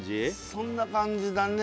そんな感じだね